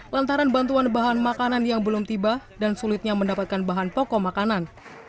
lantaran bantuan bahan makanan yang belum tiba dan sulitnya mendapatkan bahan pokok makanan